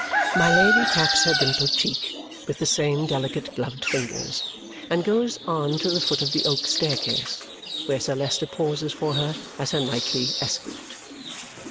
My Lady taps her dimpled cheek with the same delicate gloved fingers and goes on to the foot of the oak staircase, where Sir Leicester pauses for her as her knightly escort.